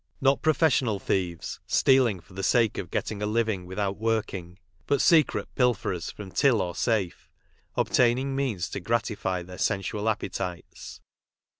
Is ot professional thieves, stealing for the sake of getting a living without working, but secret pilferers from till or safe, obtaining means to gratify their sensual appetites.